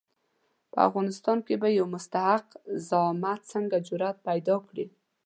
په افغانستان کې به یو مستحق زعامت څنګه جرآت پیدا کړي.